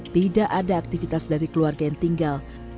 tidak ada aktivitas dari keluarga yang tinggal